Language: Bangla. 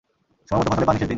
সময়মত ফসলে পানি সেচ দিন।